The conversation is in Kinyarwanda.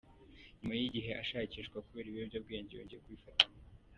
Nyuma y’igihe ashakishwa kubera ibiyobyabwenge yongeye kubifatanwa.